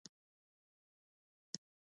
صبر کول بری راوړي